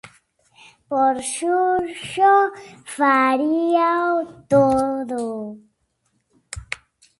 Por Xurxo faríao todo.